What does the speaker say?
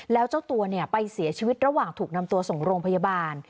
แล้วเจ้าตัวไปเสียชีวิตระหว่างถูกนำตัวส่งโรงพยาบาล